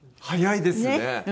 早いですね。